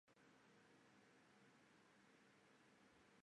细身准舌唇鱼为辐鳍鱼纲鲤形目鲤科准舌唇鱼属的鱼类。